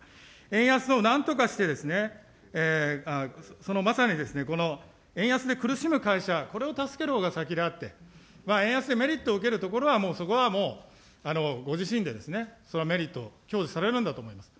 円安をなんとかして、そのまさにこの円安で苦しむ会社、これを助けるほうが先であって、円安でメリットを受けるところはもうそこはもう、ご自身でそのメリットを享受されるんだと思います。